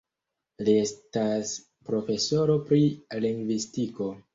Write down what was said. Li estas profesoro pri lingvistiko.